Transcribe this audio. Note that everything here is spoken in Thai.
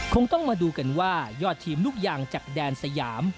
คงต้องมาดูกันว่ายอดทีมลูกยางจากแดนสยาม